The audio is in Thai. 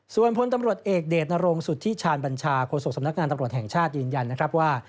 ส่วนพลตำรวจเอกเดชนรงสุธิชาญบัญชาโฆษกสำนักงานตำรวจแห่งชาติยืนยันนะครับว่า